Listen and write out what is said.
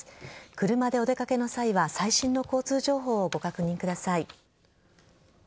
車でお出掛けの際は最新の交通情報をご確認ください。